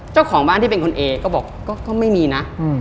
เจ้าของบ้านที่เป็นคุณเอก็บอกก็ไม่มีนะ